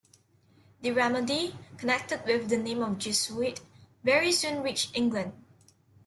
The remedy - connected with the name of Jesuit - very soon reached England.